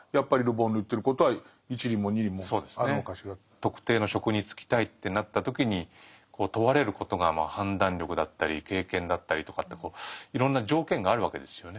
特定の職に就きたいってなった時に問われることが判断力だったり経験だったりとかっていろんな条件があるわけですよね。